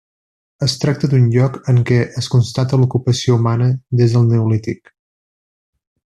Es tracta d'un lloc en què es constata l'ocupació humana des del neolític.